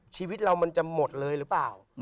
ชีวิตเรามันจะหมดเลยหรือเปล่า